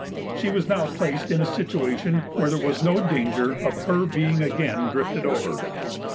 She was now placed in a situation where there was no danger of her being again drifted over.